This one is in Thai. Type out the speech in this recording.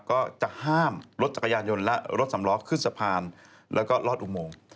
ก็จะห้ามรถจักรยานยนต์และรถสำล้อขึ้นสะพานแล้วก็ลอดอุโมง